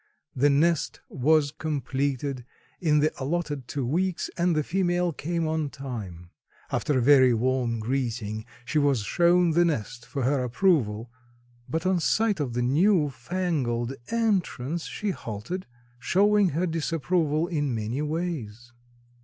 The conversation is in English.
The nest was completed in the allotted two weeks and the female came on time. After a very warm greeting she was shown the nest for her approval; but on sight of the new fangled entrance, she halted, showing her disapproval in many ways.